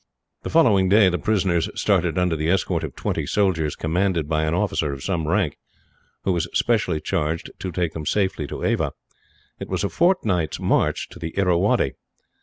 The following day the prisoners started under the escort of twenty soldiers, commanded by an officer of some rank, who was specially charged to take them safely to Ava. It was a fortnight's march to the Irrawaddy.